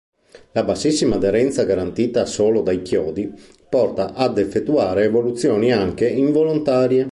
La bassissima aderenza garantita solo dai chiodi, porta ad effettuare evoluzioni anche involontarie.